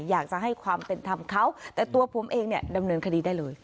อยากจะให้ความเป็นธรรมเขาแต่ตัวผมเองเนี่ยดำเนินคดีได้เลย